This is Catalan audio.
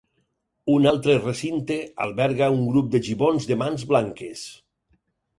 Un altre recinte alberga un grup de gibons de mans blanques.